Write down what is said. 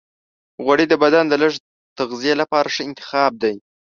غوړې د بدن د لږ تغذیې لپاره ښه انتخاب دی.